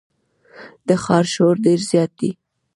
د ښار شور ډېر زیات دی.